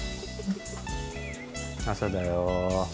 朝だよ。